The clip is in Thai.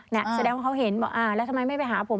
แสดงว่าเขาเห็นว่าอ่าแล้วทำไมไม่ไปหาผม